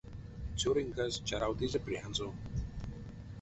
Цёрынькась чаравтызе прянзо.